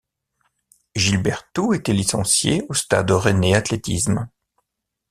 Gilles Bertould était licencié au Stade rennais athlétisme.